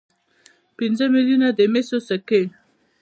پنځه میلیونه د مسو سکې.